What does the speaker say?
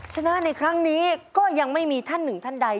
ชนะในครั้งนี้ก็ยังไม่มีท่านหนึ่งท่านใด